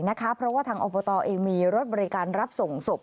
เพราะว่าทางอบตเองมีรถบริการรับส่งศพ